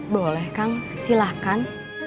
boleh kang silahkan